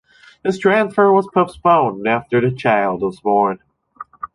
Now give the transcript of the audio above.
His transfer was postponed after the child was born.